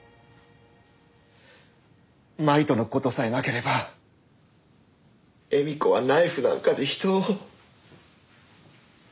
麻衣との事さえなければ絵美子はナイフなんかで人を。